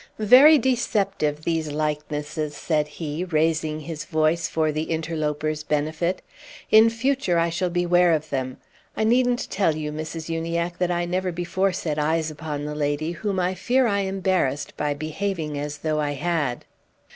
"Very deceptive, these likenesses," said he, raising his voice for the interloper's benefit; "in future I shall beware of them. I needn't tell you, Mrs. Uniacke, that I never before set eyes upon the lady whom I fear I embarrassed by behaving as though I had."